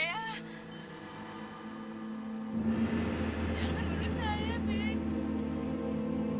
jangan bunuh saya pete